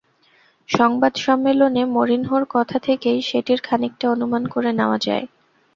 সংবাদ সম্মেলনে মরিনহোর কথা থেকেই সেটির খানিকটা অনুমান করে নেওয়া যায়।